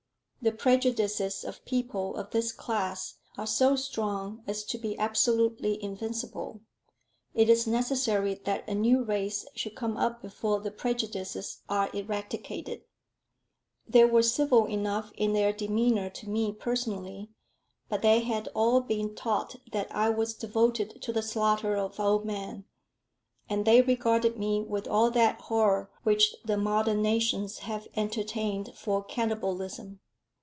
The prejudices of people of this class are so strong as to be absolutely invincible. It is necessary that a new race should come up before the prejudices are eradicated. They were civil enough in their demeanour to me personally, but they had all been taught that I was devoted to the slaughter of old men; and they regarded me with all that horror which the modern nations have entertained for cannibalism.